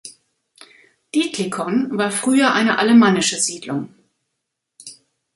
Dietlikon war früher eine alemannische Siedlung.